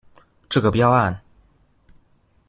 這個標案